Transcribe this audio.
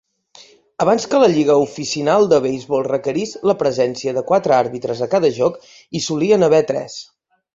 Abans que la Lliga Oficinal de Beisbol requerís la presència de quatre àrbitres a cada joc, hi solien haver tres.